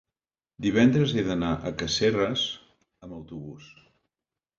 divendres he d'anar a Casserres amb autobús.